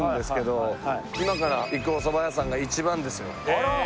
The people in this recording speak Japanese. あら